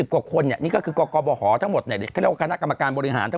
๑๐กว่าคนนี่ก็คือกรบหอทั้งหมดในกรมการบริหารทั้ง